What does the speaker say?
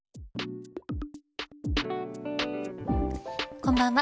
こんばんは。